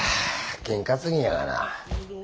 験担ぎやがな。